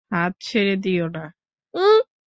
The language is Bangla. হাত ছেড়ে দিও না।